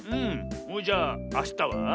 それじゃああしたは？